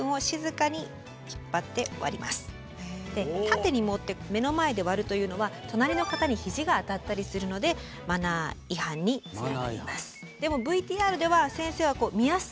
縦に持って目の前で割るというのは隣の方にひじが当たったりするのでマナー違反につながります。